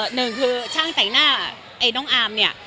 หนึ่งคือช่างแต่งหน้าไอ้น้องอามเนี่ย